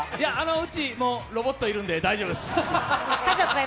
うちもうロボットいるんで大丈夫です。